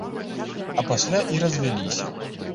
А пасля і развяліся.